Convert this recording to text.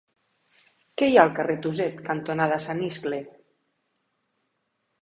Què hi ha al carrer Tuset cantonada Sant Iscle?